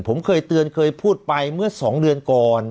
ผมเคยเตือนเคยพูดไปเมื่อ๒เดือนก่อน